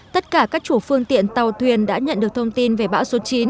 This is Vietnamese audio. tất cả các chủ phương tiện tàu thuyền đã nhận được thông tin về bão số chín